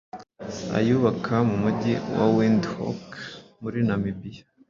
ayubaka mu mujyi wa Windhoek muri Namibia